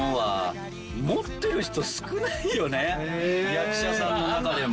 役者さんの中でも。